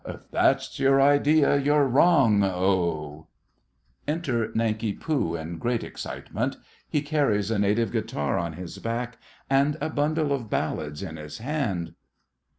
If that's your idea, you're wrong, oh! Enter Nanki Poo in great excitement. He carries a native guitar on his back and a bundle of ballads in his hand.